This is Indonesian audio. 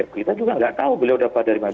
kita juga nggak tahu beliau dapat dari masyarakat